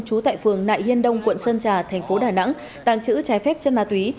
chú tại phường nại hiên đông quận sơn trà tp đà nẵng tàng trữ trái phép chân ma túy